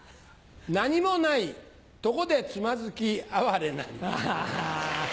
何もないとこでつまずき哀れなり。